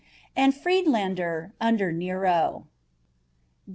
and Friedlaender under Nero.